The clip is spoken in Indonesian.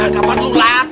kapan lu latah